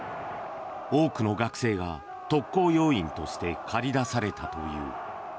多くの学生が特攻要員として駆り出されたという。